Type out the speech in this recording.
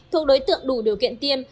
thuộc đối tượng đủ điều kiện tiêm